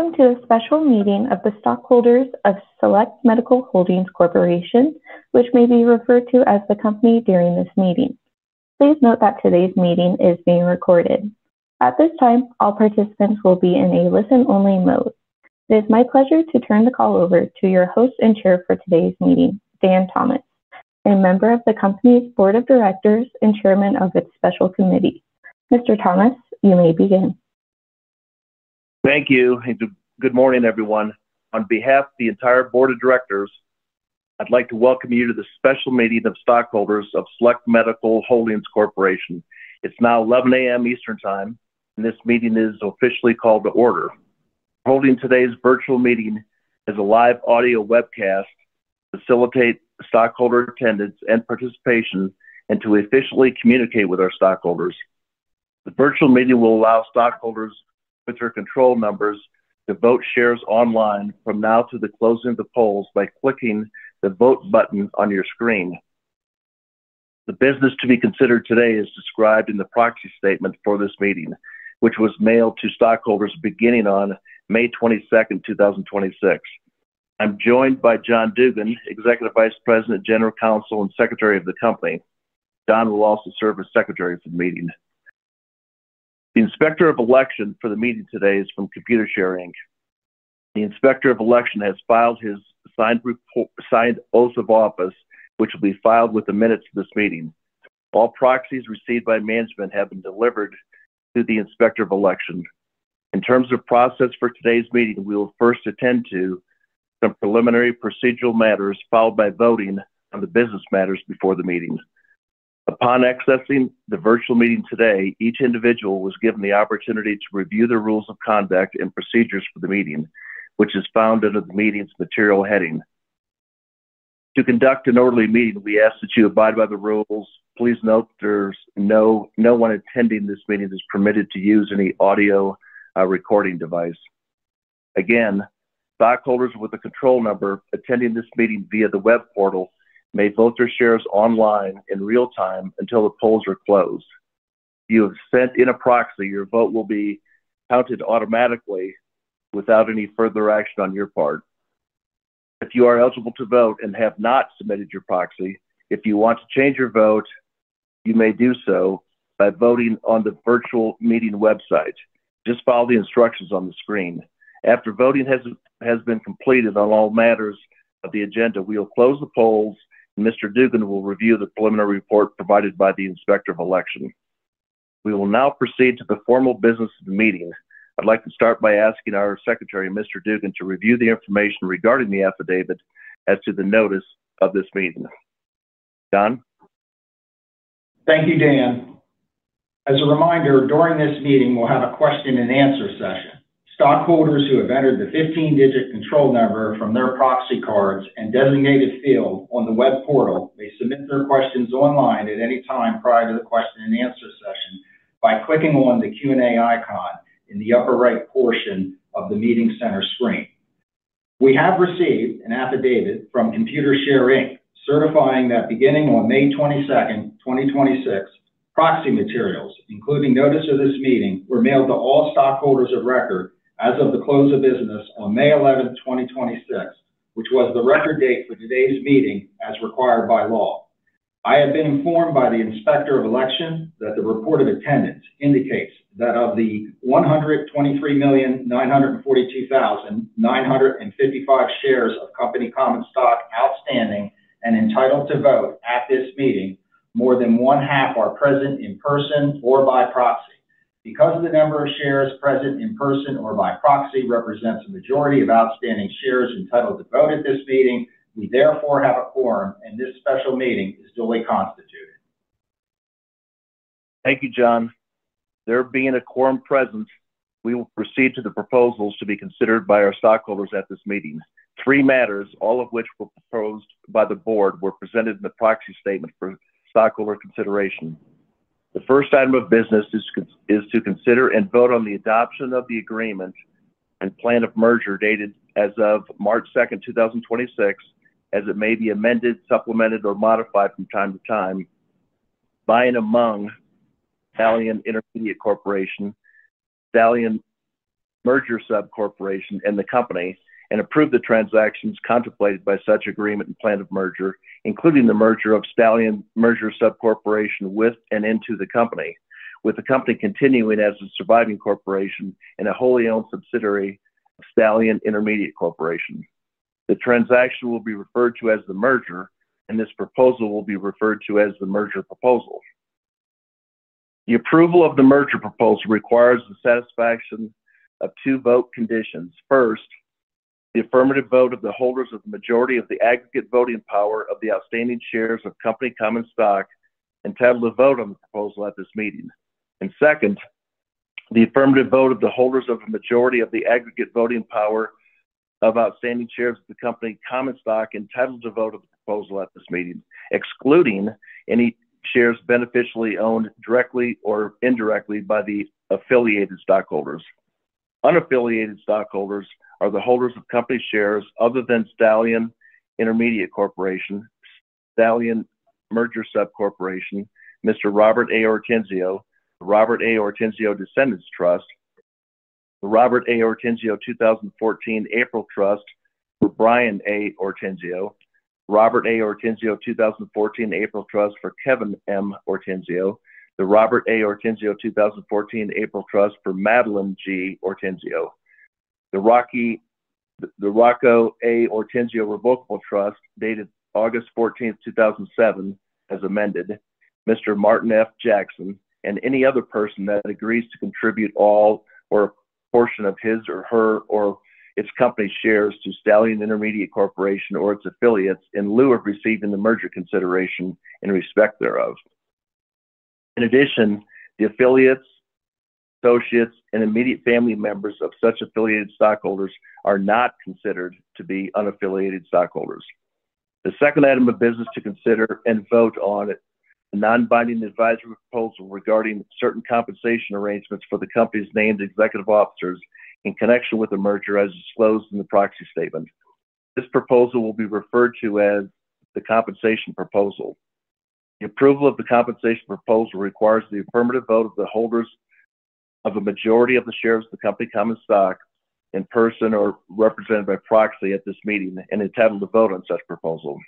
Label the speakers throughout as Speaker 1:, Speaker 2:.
Speaker 1: Hello, welcome to a Special Meeting of the Stockholders of Select Medical Holdings Corporation, which may be referred to as the Company during this meeting. Please note that today's meeting is being recorded. At this time, all participants will be in a listen-only mode. It is my pleasure to turn the call over to your host and chair for today's meeting, Dan Thomas, a member of the Company's Board of Directors and chairman of its special committee. Mr. Thomas, you may begin.
Speaker 2: Thank you. Good morning, everyone. On behalf of the entire Board of Directors, I'd like to welcome you to the special meeting of stockholders of Select Medical Holdings Corporation. It's now 11:00 A.M. Eastern Time. This meeting is officially called to order. We're holding today's virtual meeting as a live audio webcast to facilitate stockholder attendance and participation and to efficiently communicate with our stockholders. The virtual meeting will allow stockholders with their control numbers to vote shares online from now to the close of the polls by clicking the Vote button on your screen. The business to be considered today is described in the proxy statement for this meeting, which was mailed to stockholders beginning on May 22nd, 2026. I'm joined by John Duggan, Executive Vice President, General Counsel, and Secretary of the Company. John will also serve as Secretary for the meeting. The Inspector of Election for the meeting today is from Computershare, Inc. The Inspector of Election has filed his signed oath of office, which will be filed with the minutes of this meeting. All proxies received by management have been delivered to the Inspector of Election. In terms of process for today's meeting, we will first attend to some preliminary procedural matters, followed by voting on the business matters before the meeting. Upon accessing the virtual meeting today, each individual was given the opportunity to review the rules of conduct and procedures for the meeting, which is found under the Meetings Material heading. To conduct an orderly meeting, we ask that you abide by the rules. Please note that no one attending this meeting is permitted to use any audio recording device. Again, stockholders with a control number attending this meeting via the web portal may vote their shares online in real time until the polls are closed. If you have sent in a proxy, your vote will be counted automatically without any further action on your part. If you are eligible to vote and have not submitted your proxy, if you want to change your vote, you may do so by voting on the virtual meeting website. Just follow the instructions on the screen. After voting has been completed on all matters of the agenda, we will close the polls. Mr. Duggan will review the preliminary report provided by the Inspector of Election. We will now proceed to the formal business of the meeting. I'd like to start by asking our secretary, Mr. Duggan, to review the information regarding the affidavit as to the notice of this meeting. John?
Speaker 3: Thank you, Dan. As a reminder, during this meeting, we'll have a question and answer session. Stockholders who have entered the 15-digit control number from their proxy cards and designated field on the web portal may submit their questions online at any time prior to the question and answer session by clicking on the Q&A icon in the upper right portion of the meeting center screen. We have received an affidavit from Computershare, Inc., certifying that beginning on May 22nd, 2026, proxy materials, including notice of this meeting, were mailed to all stockholders of record as of the close of business on May 11th, 2026, which was the record date for today's meeting as required by law. I have been informed by the Inspector of Election that the report of attendance indicates that of the 123,942,955 shares of company common stock outstanding and entitled to vote at this meeting, more than one-half are present in person or by proxy. Because the number of shares present in person or by proxy represents a majority of outstanding shares entitled to vote at this meeting, we therefore have a quorum, and this special meeting is duly constituted.
Speaker 2: Thank you, John. There being a quorum present, we will proceed to the proposals to be considered by our stockholders at this meeting. Three matters, all of which were proposed by the board, were presented in the proxy statement for stockholder consideration. The first item of business is to consider and vote on the adoption of the agreement and plan of merger dated as of March 2nd, 2026, as it may be amended, supplemented, or modified from time to time by and among Stallion Intermediate Corporation, Stallion MergerSub Corporation, and the company, and approve the transactions contemplated by such agreement and plan of merger, including the merger of Stallion MergerSub Corporation with and into the company, with the company continuing as the surviving corporation and a wholly-owned subsidiary of Stallion Intermediate Corporation. The transaction will be referred to as the Merger, and this proposal will be referred to as the Merger Proposal. The approval of the Merger Proposal requires the satisfaction of two vote conditions. First, the affirmative vote of the holders of the majority of the aggregate voting power of the outstanding shares of company common stock entitled to vote on the proposal at this meeting. Second, the affirmative vote of the holders of a majority of the aggregate voting power of outstanding shares of the company common stock entitled to vote of the proposal at this meeting, excluding any Shares beneficially owned directly or indirectly by the affiliated stockholders. Unaffiliated stockholders are the holders of company shares other than Stallion Intermediate Corporation, Stallion MergerSub Corporation, Mr. Robert A. Ortenzio, the Robert A. Ortenzio Descendants Trust, the Robert A. Ortenzio April 2014 Trust for Bryan A. Ortenzio. Robert A. Ortenzio April 2014 Trust for Kevin M. Ortenzio, the Robert A. Ortenzio April 2014 Trust for Madeline G. Ortenzio, the Rocco A. Ortenzio Revocable Trust dated August 14, 2007, as amended, Mr. Martin F. Jackson, and any other person that agrees to contribute all or a portion of his or her or its Company shares to Stallion Intermediate Corporation or its affiliates in lieu of receiving the merger consideration in respect thereof. In addition, the affiliates, associates, and immediate family members of such affiliated stockholders are not considered to be unaffiliated stockholders. The second item of business to consider and vote on a non-binding advisory proposal regarding certain compensation arrangements for the Company's named executive officers in connection with the merger as disclosed in the proxy statement. This proposal will be referred to as the compensation proposal. The approval of the compensation proposal requires the affirmative vote of the holders of a majority of the shares of the Company common stock in person or represented by proxy at this meeting and entitled to vote on such proposal.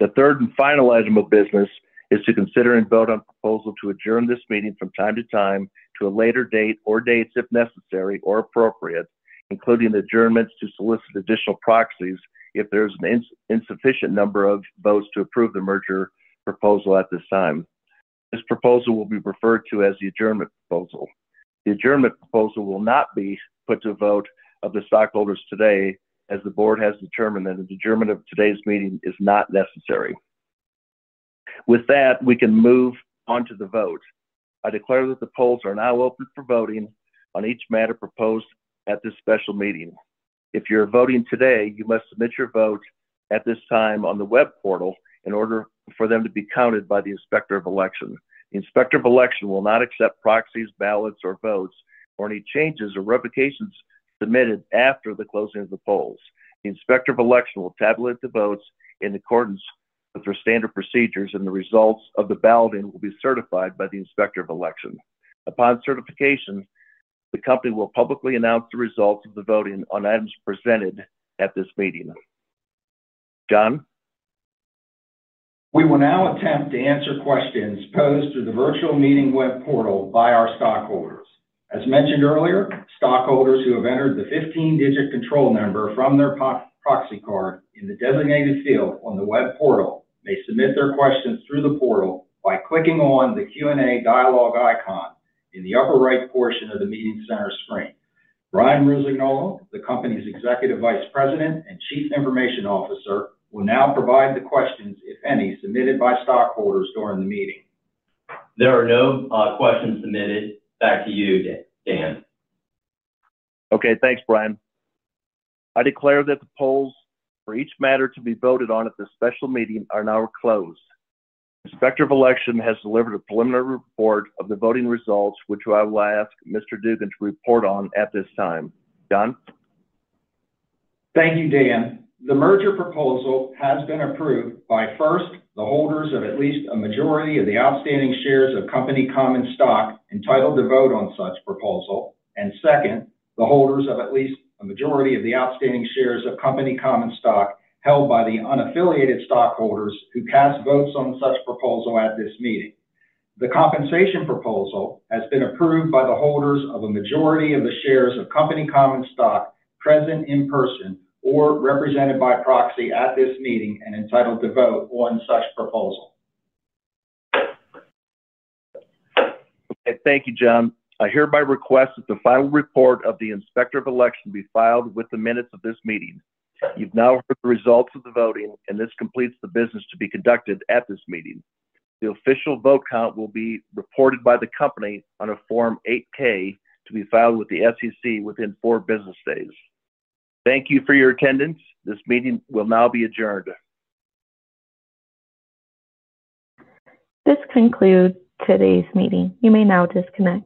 Speaker 2: The third and final item of business is to consider and vote on proposal to adjourn this meeting from time to time to a later date or dates if necessary or appropriate, including adjournments to solicit additional proxies if there is an insufficient number of votes to approve the merger proposal at this time. This proposal will be referred to as the adjournment proposal. The adjournment proposal will not be put to a vote of the stockholders today, as the Board has determined that an adjournment of today's meeting is not necessary. With that, we can move on to the vote. I declare that the polls are now open for voting on each matter proposed at this special meeting. If you are voting today, you must submit your vote at this time on the web portal in order for them to be counted by the Inspector of Election. The Inspector of Election will not accept proxies, ballots or votes or any changes or revocations submitted after the closing of the polls. The Inspector of Election will tabulate the votes in accordance with their standard procedures, and the results of the balloting will be certified by the Inspector of Election. Upon certification, the company will publicly announce the results of the voting on items presented at this meeting. John?
Speaker 3: We will now attempt to answer questions posed through the virtual meeting web portal by our stockholders. As mentioned earlier, stockholders who have entered the 15-digit control number from their proxy card in the designated field on the web portal may submit their questions through the portal by clicking on the Q&A dialogue icon in the upper right portion of the meeting center screen. Brian Rusignuolo, the Company's Executive Vice President and Chief Information Officer, will now provide the questions, if any, submitted by stockholders during the meeting.
Speaker 4: There are no questions submitted. Back to you, Dan.
Speaker 2: Okay. Thanks, Brian. I declare that the polls for each matter to be voted on at this special meeting are now closed. Inspector of Election has delivered a preliminary report of the voting results, which I will ask Mr. Duggan to report on at this time. John?
Speaker 3: Thank you, Dan. The merger proposal has been approved by, first, the holders of at least a majority of the outstanding shares of company common stock entitled to vote on such proposal and second, the holders of at least a majority of the outstanding shares of company common stock held by the unaffiliated stockholders who cast votes on such proposal at this meeting. The compensation proposal has been approved by the holders of a majority of the shares of company common stock present in person or represented by proxy at this meeting and entitled to vote on such proposal.
Speaker 2: Okay. Thank you, John. I hereby request that the final report of the Inspector of Election be filed with the minutes of this meeting. You've now heard the results of the voting, and this completes the business to be conducted at this meeting. The official vote count will be reported by the company on a Form 8-K to be filed with the SEC within four business days. Thank you for your attendance. This meeting will now be adjourned.
Speaker 1: This concludes today's meeting. You may now disconnect.